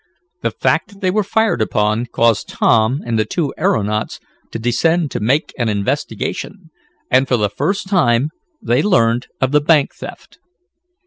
The fact that they were fired upon caused Tom and the two aeronauts to descend to make an investigation, and for the first time they learned of the bank theft.